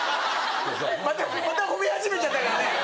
また褒め始めちゃったからね。